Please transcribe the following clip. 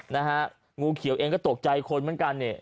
นะฮะงูเขียวเองก็ตกใจคนเหมือนกันเนี่ย